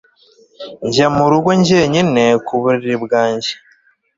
Njya mu rugo njyenyine ku buriri bwanjye